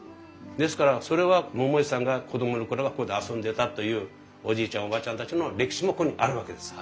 ですからそれは桃井さんが子供の頃はここで遊んでたというおじいちゃんおばあちゃんたちの歴史もここにあるわけです。